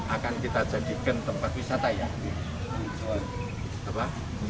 akan kita jadikan tempat wisata ya